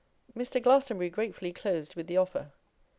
Mr. Glastonbury gratefully closed with the offer.